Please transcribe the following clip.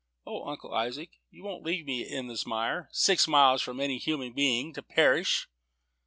"O, Uncle Isaac, you won't leave me in this mire, six miles from any human being, to perish?"